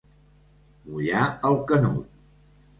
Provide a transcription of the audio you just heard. Mullar el canut.